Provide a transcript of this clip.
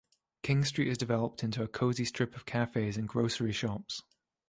King Street has developed into a cosy strip of cafes and grocery shops.